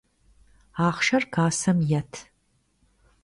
Axhşşer kassem yêt!